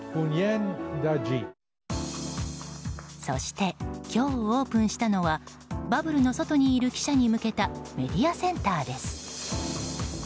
そして、今日オープンしたのはバブルの外にいる記者に向けたメディアセンターです。